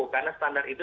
karena standar itu